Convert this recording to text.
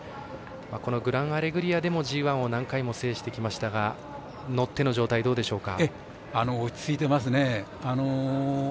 このグランアレグリアでもＧＩを何回も制してきましたが乗っての状態どうでしょうか？